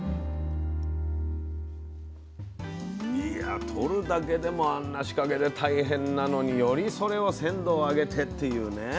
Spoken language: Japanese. いやとるだけでもあんな仕掛けで大変なのによりそれを鮮度を上げてっていうね。